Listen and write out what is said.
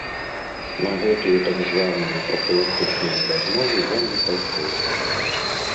На гэтую так званую прафілактычную размову я не пайшоў.